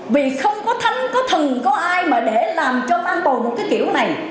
vì không có thánh có thần có ai mà để làm cho mang bầu một cái kiểu này